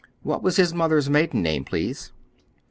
What was his mother's maiden name, please?"